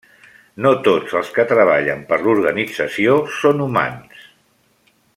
No tots els que treballen per l'organització són humans.